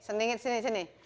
eh sendingit sini sini